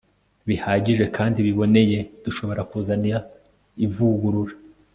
bihagije kandi biboneye dushobora kuzana ivugurura